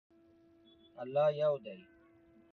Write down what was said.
الله یو دی